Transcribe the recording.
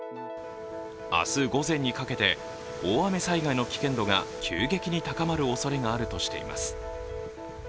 明日午前にかけて大雨災害の危険度が急激に高まるおそれがあるとしています。